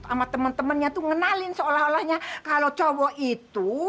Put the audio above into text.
sama temen temennya tuh ngenalin seolah olahnya kalau cowok itu